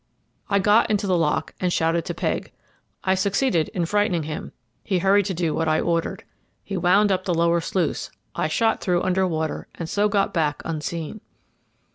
I got into the lock, and shouted to Pegg. I succeeded in frightening him; he hurried to do what I ordered. He wound up the lower sluice, I shot through under water, and so got back unseen.